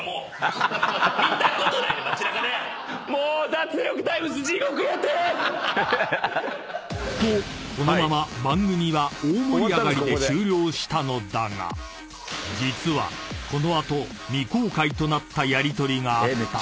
「もーう」［とこのまま番組は大盛り上がりで終了したのだが実はこの後未公開となったやりとりがあった］